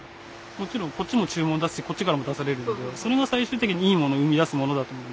もちろんこっちも注文出すしこっちからも出されるのでそれが最終的にいいものを生み出すものだと思うんで。